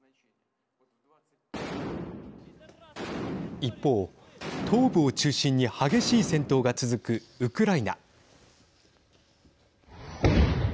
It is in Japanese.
一方、東部を中心に激しい戦闘が続くウクライナ。